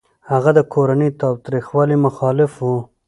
هغه د کورني تاوتريخوالي مخالف و.